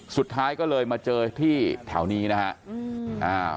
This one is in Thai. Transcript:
สุดท้ายก็เลยมาเจอที่แถวนี้นะฮะ